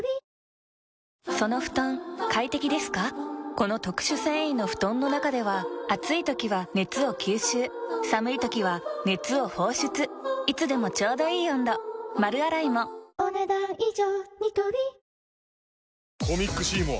この特殊繊維の布団の中では暑い時は熱を吸収寒い時は熱を放出いつでもちょうどいい温度丸洗いもお、ねだん以上。